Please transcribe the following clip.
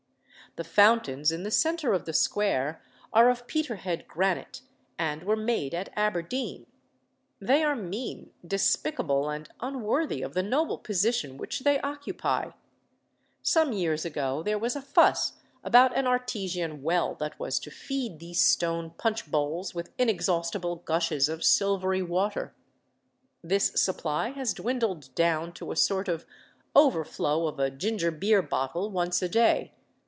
The fountains in the centre of the Square are of Peterhead granite, and were made at Aberdeen. They are mean, despicable, and unworthy of the noble position which they occupy. Some years ago there was a fuss about an Artesian well that was to feed these stone punch bowls with inexhaustible gushes of silvery water. This supply has dwindled down to a sort of overflow of a ginger beer bottle once a day.